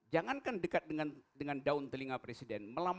jangankan dekat dengan daun telinga presiden